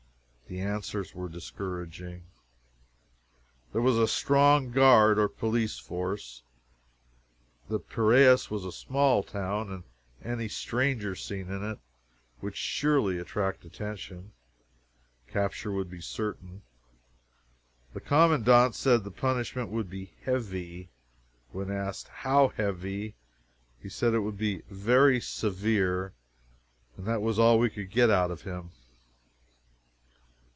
The answers were discouraging: There was a strong guard or police force; the Piraeus was a small town, and any stranger seen in it would surely attract attention capture would be certain. The commandant said the punishment would be "heavy;" when asked "how heavy?" he said it would be "very severe" that was all we could get out of him.